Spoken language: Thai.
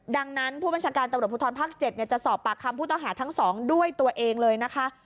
ดังนั้นผู้บัญชาการตำรวจภูทรภาค๗จะสอบปากคำผู้ต้องหาทั้ง๒ด้วยตัวเองเลยนะคะ